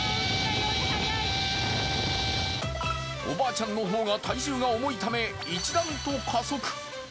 おばあちゃんの方が体重が重いため、一段と加速。